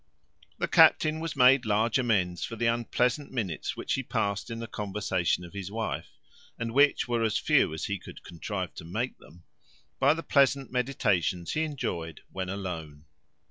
The captain was made large amends for the unpleasant minutes which he passed in the conversation of his wife (and which were as few as he could contrive to make them), by the pleasant meditations he enjoyed when alone.